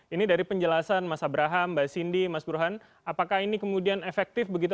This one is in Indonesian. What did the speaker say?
ini dari penjelasan mas abraham mbak sindi mas burhan apakah ini kemudian efektif begitu